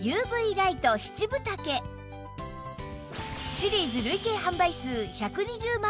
シリーズ累計販売数１２０万枚を突破！